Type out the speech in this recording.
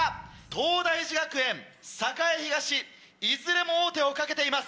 東大寺学園栄東いずれも王手をかけています。